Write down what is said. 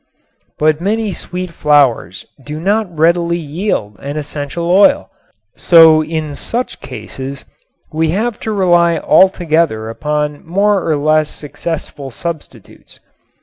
But many sweet flowers do not readily yield an essential oil, so in such oases we have to rely altogether upon more or less successful substitutes.